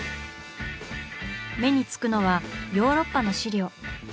目につくのはヨーロッパの資料。